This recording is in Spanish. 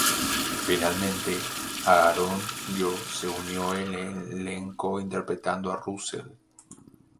Finalmente, Aaron Yoo se unió al elenco interpretando a Russell.